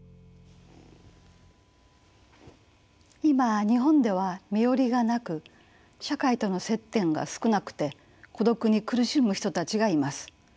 今日本では身寄りがなく社会との接点が少なくて孤独に苦しむ人たちがいます。